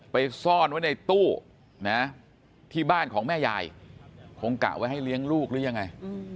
ซ่อนไว้ในตู้นะที่บ้านของแม่ยายคงกะไว้ให้เลี้ยงลูกหรือยังไง